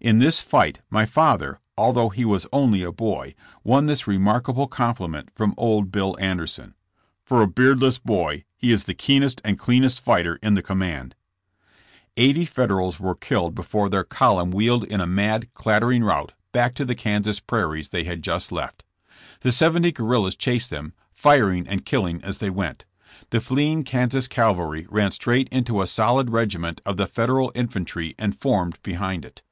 In this fight my father, although he was only a boy, won this remarkable compliment from old Bill Anderson : ''For a beardless boy he is the keenest and cleanest fighter in the command." Eighty Federals were killed before their column JESSS JAMES AS A GUERRII.LA. 41 wheeled in a mad, clattering rout back to the Kansas prairies they had just left. The seventy guerrillas chased them, firing and killing as they went. The fleeing Kansas cavalry ran straight into a solid regi ment of the Federal infantry and formed behind it.